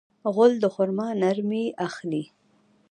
غول د خرما نرمي اخلي.